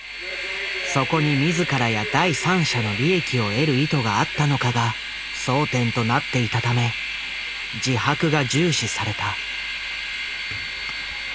そこに自らや第三者の利益を得る意図があったのかが争点となっていたため自白が重視された。